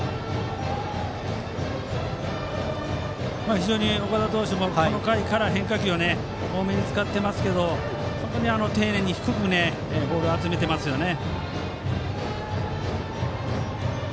非常に岡田投手もこの回から変化球を多めに使っていますが本当に丁寧に低くボールを集めていますね。